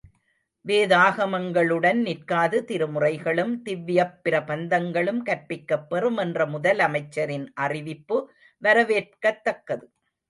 வேதாகமங்களுடன் நிற்காது திருமுறைகளும், திவ்யப் பிரபந்தங்களும் கற்பிக்கப் பெறும் என்ற முதலமைச்சரின் அறிவிப்பு, வரவேற்கத்தக்கது.